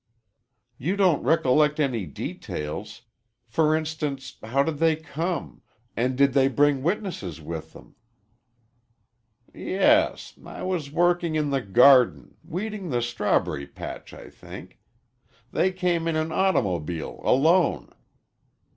"You don't recollect any details. For instance, how did they come and did they bring witnesses with them?" "Yes. I was working in the garden weeding the strawberry patch, I think. They came in an automobile alone.